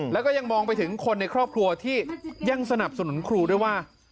แล้วก็ยังมองไปถึงคนในครอบครัวที่ยังสนับสนุนครูด้วยว่า